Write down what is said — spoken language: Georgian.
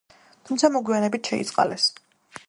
თუმცა მოგვიანებით შეიწყალეს.